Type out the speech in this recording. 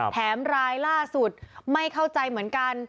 รายล่าสุดไม่เข้าใจเหมือนกัน